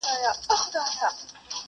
یو یار مي ته یې شل مي نور نیولي دینه!!